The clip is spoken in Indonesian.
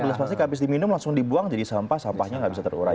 gelas plastik habis diminum langsung dibuang jadi sampah sampahnya nggak bisa terurai